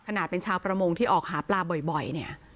ขนาดเป็นชาวประมงที่ออกหาปลาบ่อยเนี่ย